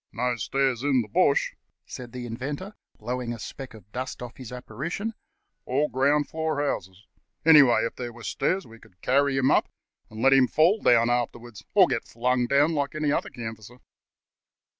"No stairs in the bush," said the Inventor, blowing a speck of dust off his apparition; "all ground floor houses. Anyhow, if there were stairs we could carry him up and let him fall down afterwards, or get flung down like any other canvasser."